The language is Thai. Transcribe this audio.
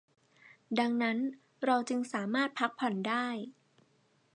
ดังนั้นเราจึงสามารถพักผ่อนได้